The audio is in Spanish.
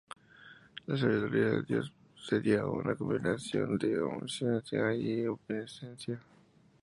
La sabiduría de Dios sería una combinación de su omnisciencia y su omnipotencia.